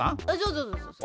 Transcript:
そうそうそうそう。